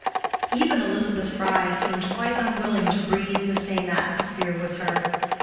Even Elizabeth Fry seemed quite unwilling to breathe the same atmosphere with her.